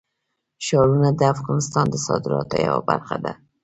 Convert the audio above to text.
ښارونه د افغانستان د صادراتو یوه برخه ده.